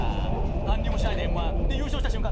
何にもしないでＭ−１で優勝した瞬間ツー。